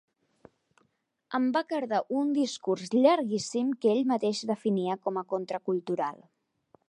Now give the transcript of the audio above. Em va cardar un discurs llarguíssim que ell mateix definia com a contracultural.